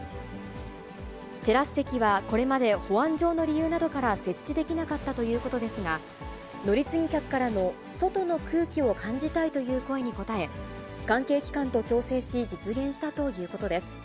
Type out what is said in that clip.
テラス席はこれまで、保安上の理由などから設置できなかったということですが、乗り継ぎ客からの外の空気を感じたいという声に応え、関係機関と調整し、実現したということです。